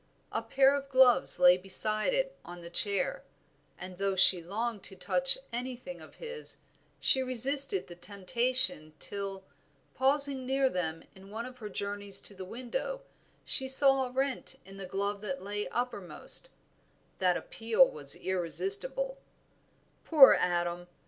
A pair of gloves lay beside it on the chair, and though she longed to touch anything of his, she resisted the temptation till, pausing near them in one of her journeys to the window, she saw a rent in the glove that lay uppermost, that appeal was irresistible, "Poor Adam!